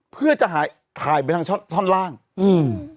เพื่อจะหายถ่ายไปทางท่อนล่างอืม